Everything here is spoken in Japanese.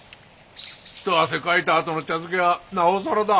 一汗かいたあとの茶漬けはなおさらだ。